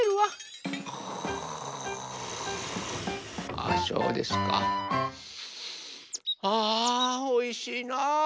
あおいしいな。